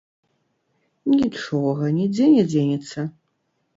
Нічога, нідзе не дзенецца.